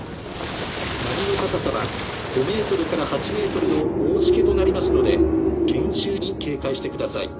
「波の高さは５メートルから８メートルの大時化となりますので厳重に警戒してください」。